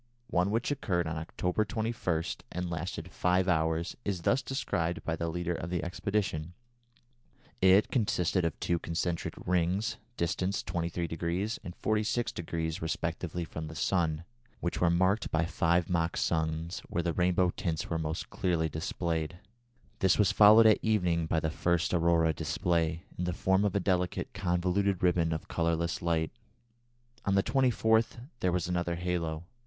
One which occurred on October 21 and lasted five hours is thus described by the leader of the expedition: "It consisted of two concentric rings, distant 23° and 46° respectively from the sun, which were marked by five mock suns where the rainbow tints were most clearly displayed. This was followed at evening by the first aurora display, in the form of a delicate convoluted ribbon of colourless light. On the 24th there was another halo.